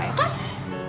eh tapi girls